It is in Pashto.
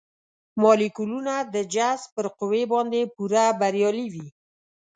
مالیکولونه د جذب پر قوې باندې پوره بریالي وي.